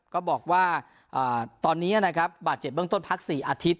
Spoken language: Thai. ก็บอกว่าตอนนี้นะครับบาดเจ็บเบื้องต้นพัก๔อาทิตย